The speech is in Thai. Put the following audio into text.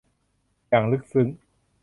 อย่างลึกซึ้ง